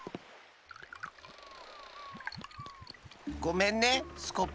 ごめんねスコップさん。